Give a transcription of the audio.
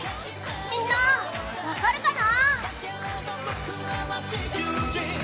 みんな分かるかな？